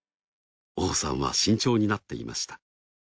於保さんは慎重になっていました。